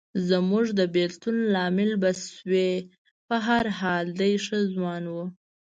چې زموږ د بېلتون لامل به شوې، په هر حال دی ښه ځوان و.